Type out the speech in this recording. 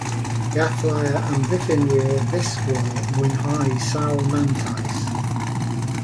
Gallai'r amddiffynwyr ddisgwyl mwynhau sawl mantais.